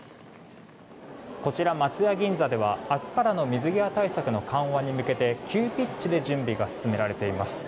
こちら松屋銀座では明日からの水際対策の緩和に向けて急ピッチで準備が進められています。